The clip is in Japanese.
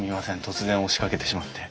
突然押しかけてしまって。